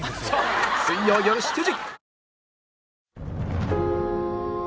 水曜よる７時